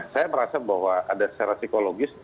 saya merasa bahwa ada secara psikologis